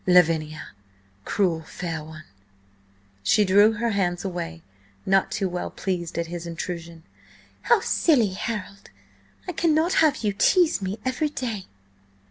"Lavinia! Cruel fair one!" She drew her hands away, not too well pleased at his intrusion. "How silly, Harold! I cannot have you tease me every day!"